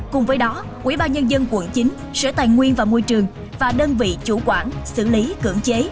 cùng với đó ubnd quận chín sở tài nguyên và môi trường và đơn vị chủ quản xử lý cưỡng chế